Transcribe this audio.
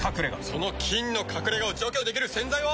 その菌の隠れ家を除去できる洗剤は。